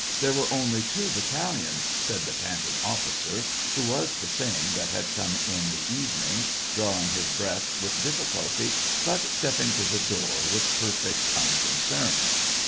. there were only two battalions," said the panting officer, who was the same that had come in the evening, drawing his breath with difficulty, but stepping to the door with perfect unconcern.